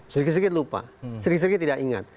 sedikit sedikit lupa sedikit sedikit tidak ingat